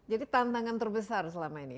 jadi tantangan terbesar selama ini